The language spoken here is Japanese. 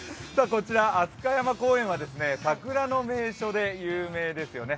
こちら飛鳥山公園は桜の名所で有名ですよね。